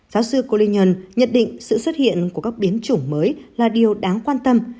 giáo sư colun nhận định sự xuất hiện của các biến chủng mới là điều đáng quan tâm